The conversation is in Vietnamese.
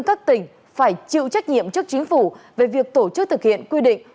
các tỉnh phải chịu trách nhiệm trước chính phủ về việc tổ chức thực hiện quy định